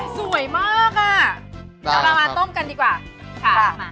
สวยมากอ่ะเอาละมาต้มกันดีกว่าค่ะ